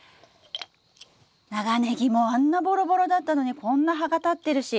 長ネギもあんなボロボロだったのにこんな葉が立ってるし。